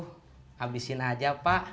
habisin aja pak